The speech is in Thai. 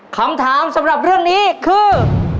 คำถามสำหรับเรื่องนี้คือ